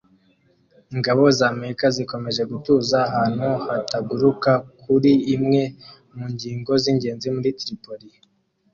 Ingabo z’Amerika zikomeje gutuza ahantu hataguruka kuri imwe mu ngingo zingenzi muri Tripoli